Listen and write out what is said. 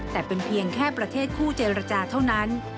แต่เป็นเพียงแค่ประเทศคู่เจรจาเท่านั้น